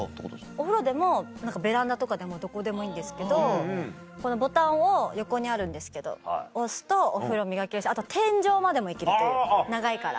お風呂でもベランダとかでもどこでもいいんですけどこのボタンを横にあるんですけど押すとお風呂を磨けるしあと天井までも行ける長いから。